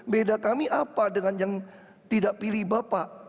beda kami apa dengan yang tidak pilih bapak